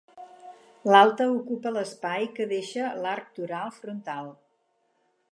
L'alta ocupa l'espai que deixa l'arc toral frontal.